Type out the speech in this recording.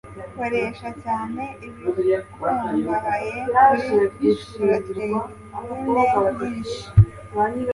Koresha cyane ibikungahaye kuri poroteyine nyinshi